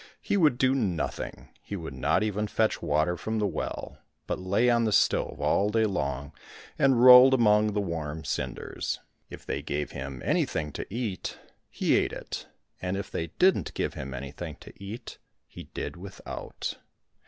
He would do nothing, he would not even fetch water from the well, but lay on the stove all day long and rolled among the warm cinders. If they gave him anything to eat, he ate it ; and if they didn't give him anything to eat, he did without.